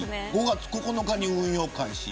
５月９日に運用開始。